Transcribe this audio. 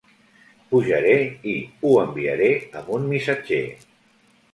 Pujaré i ho enviaré amb un missatger.